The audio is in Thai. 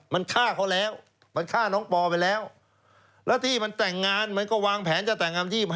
มันฆ่าเขาแล้วมันฆ่าน้องปอไปแล้วแล้วที่มันแต่งงานมันก็วางแผนจะแต่งงาน๒๕